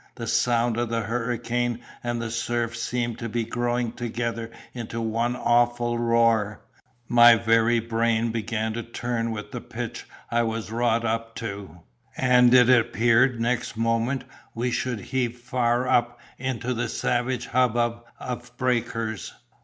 The sound of the hurricane and the surf seemed to be growing together into one awful roar—my very brain began to turn with the pitch I was wrought up to—and it appeared next moment we should heave far up into the savage hubbub of breakers.